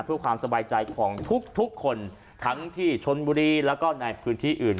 เพื่อความสบายใจของทุกคนทั้งที่ชนบุรีแล้วก็ในพื้นที่อื่น